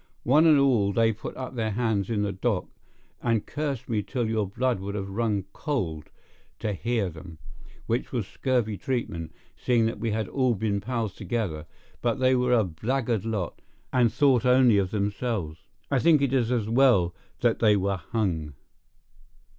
One and all they put up their hands in the dock, and cursed me till your blood would have run cold to hear them—which was scurvy treatment, seeing that we had all been pals together; but they were a blackguard lot, and thought only of themselves. I think it is as well that they were hung.